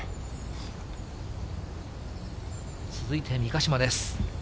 続いて三ヶ島です。